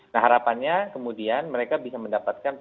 nah harapannya kemudian mereka bisa mendapatkan